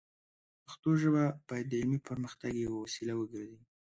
پښتو ژبه باید د علمي پرمختګ یوه وسیله وګرځي.